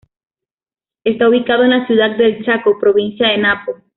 Está ubicado en la ciudad de El Chaco, provincia de Napo.